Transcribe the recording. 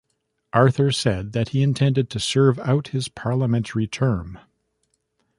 Arthur said that he intended to serve out his parliamentary term.